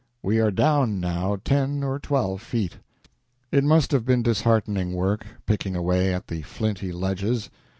We are down now ten or twelve feet." It must have been disheartening work, picking away at the flinty ledges.